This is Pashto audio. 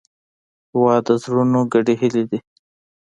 هېواد د زړونو ګډې هیلې دي.